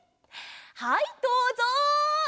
はいどうぞ！